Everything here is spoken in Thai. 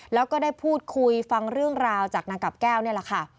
แล้วก็ได้พูดคุยฟังเรื่องราวจากนางกับแก้วนี่แหละค่ะ